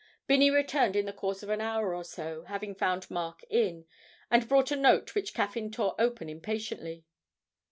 Binney returned in the course of an hour or so, having found Mark in, and brought a note which Caffyn tore open impatiently.